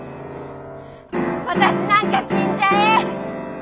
私なんか死んじゃえ！